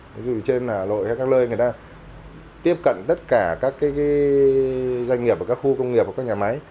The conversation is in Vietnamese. ví dụ như trên là lội hay các lơi người ta tiếp cận tất cả các cái doanh nghiệp các khu công nghiệp các nhà máy